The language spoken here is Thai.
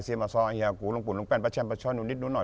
เซียมาซ้อไอ้เหี้ยกูลุงกุลุงแป้นประชัยนุ้นนิดนู้นหน่อย